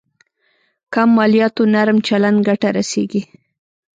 کم مالياتو نرم چلند ګټه رسېږي.